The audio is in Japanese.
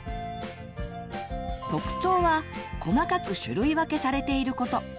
特徴は細かく種類分けされていること。